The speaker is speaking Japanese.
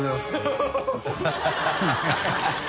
ハハハ